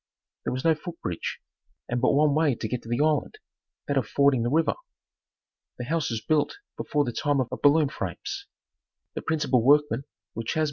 There was no foot bridge and but one way to get to the island, that of fording the river. The house was built before the time of baloon frames. The principal workmen were Chas.